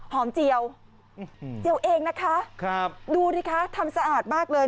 เจียวเจียวเองนะคะครับดูดิคะทำสะอาดมากเลย